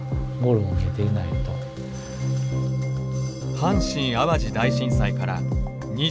阪神・淡路大震災から２８年。